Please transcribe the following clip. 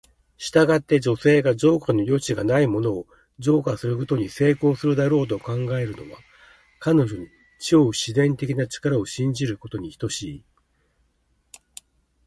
したがって、女性が浄化の余地がないものを浄化することに成功するだろうと考えるのは、彼女に超自然的な力を信じることに等しい。